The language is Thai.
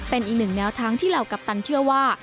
เป็นอีกหนึ่งแนวทางที่เหล่ากัปตันเชื่อว่า